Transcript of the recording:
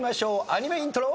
アニメイントロ。